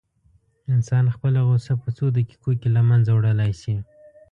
انسان خپله غوسه په څو دقيقو کې له منځه وړلی شي.